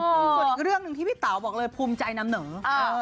ส่วนอีกเรื่องหนึ่งที่พี่เต๋าบอกเลยภูมิใจนำเหนิง